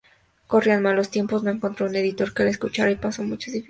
Corrían malos tiempos, no encontró un editor que le escuchara, y pasó muchas dificultades.